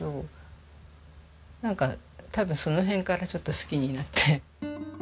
なんか多分その辺からちょっと好きになって。